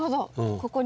ここに。